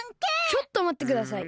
ちょっとまってください！